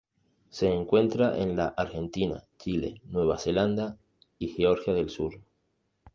Se encuentra en la Argentina, Chile, Nueva Zelanda y Georgia del Sur.